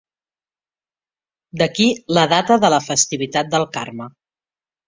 D'aquí la data de la festivitat del Carme.